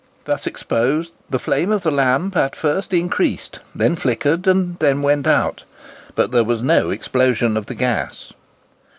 Thus exposed, the flame of the lamp at first increased, then flickered, and then went out; but there was no explosion of the gas.